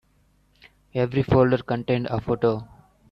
Every folder contained a photo.